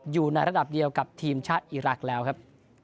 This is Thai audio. อยู่ในระดับเดียวกับทีมชาติอีรักษ์แล้วครับ